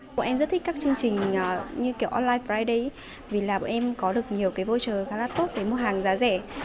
bọn em rất thích các chương trình như kiểu online friday vì là bọn em có được nhiều cái voucher khá là tốt để mua hàng giá rẻ